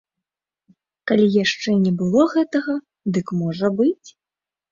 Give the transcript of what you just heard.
Калі яшчэ не было гэтага, дык можа быць!